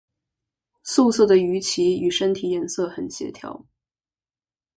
素色的鱼鳍与身体颜色很协调。